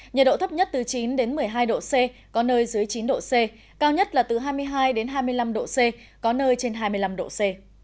nhiệt độ thấp nhất từ chín một mươi hai độ c có nơi dưới chín độ c cao nhất là từ hai mươi hai hai mươi năm độ c có nơi trên hai mươi năm độ c